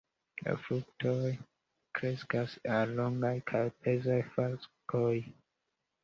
La fruktoj kreskas al longaj kaj pezaj faskoj.